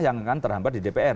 yang terhambat di dpr